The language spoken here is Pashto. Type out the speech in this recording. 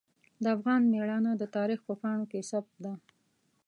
د افغان میړانه د تاریخ په پاڼو کې ثبت ده.